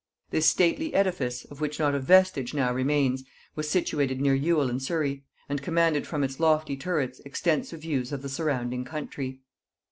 This stately edifice, of which not a vestige now remains, was situated near Ewel in Surry, and commanded from its lofty turrets extensive views of the surrounding country.